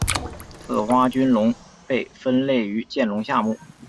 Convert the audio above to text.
似花君龙被分类于剑龙下目。